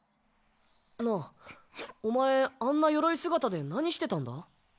なあお前あんな鎧姿で何してたんだ？